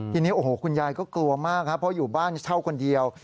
ทีนี้โอ้โหคุณยายก็กลัวมากครับเพราะอยู่บ้านเช่าคนเดียว